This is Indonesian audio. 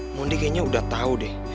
mondi kayaknya udah tau deh